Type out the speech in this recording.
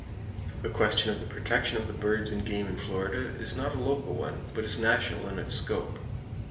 The question of the protection of the birds and game in Florida is not a local one, but is national in its scope.